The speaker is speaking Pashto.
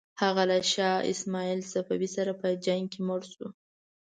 هغه له شاه اسماعیل صفوي سره په جنګ کې مړ شو.